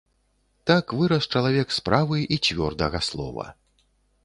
Так вырас чалавек справы і цвёрдага слова.